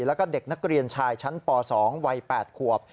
แล้วก็เด็กนักเรียนชายชั้นป๒วัย๘ขวบ